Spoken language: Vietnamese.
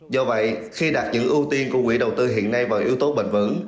do vậy khi đặt những ưu tiên của quỹ đầu tư hiện nay vào yếu tố bền vững